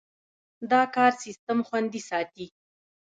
دا کار سیستم خوندي ساتي.